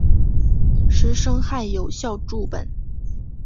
石声汉有校注本。